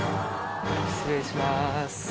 失礼します。